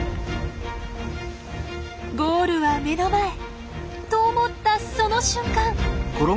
ゴールは目の前！と思ったその瞬間。